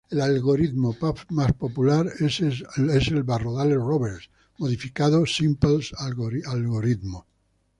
El algoritmo más popular es el Barrodale-Roberts modificado Simplex algoritmo.